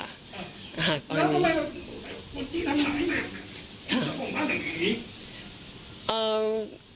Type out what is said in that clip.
อ่าแล้วทำไมสงสัยว่าคนที่ทำหายมากค่ะคุณช่องของบ้านแบบไหน